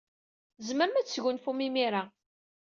Tzemrem ad tesgunfum imir-a.